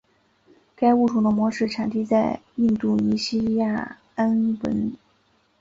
该物种的模式产地在印度尼西亚安汶。